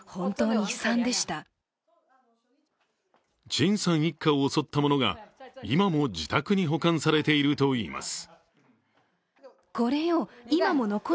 陳さん一家を襲ったものが今も自宅に保管されているといいます。